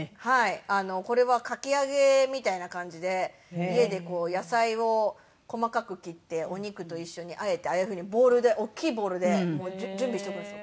これはかき揚げみたいな感じで家で野菜を細かく切ってお肉と一緒にあえてああいうふうにボウルで大きいボウルで準備しておくんですよ。